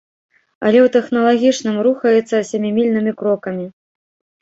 Але ў тэхналагічным рухаецца сямімільнымі крокамі.